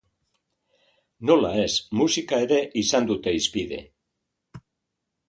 Nola ez, musika ere izan dute hizpide.